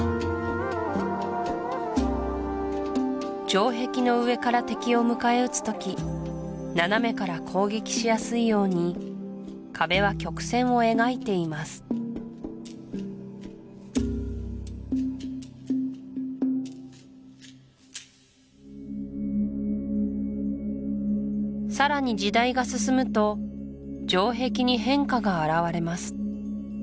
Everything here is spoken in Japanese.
城壁の上から敵を迎え撃つ時斜めから攻撃しやすいように壁は曲線を描いていますさらに時代が進むと城壁に変化が表れます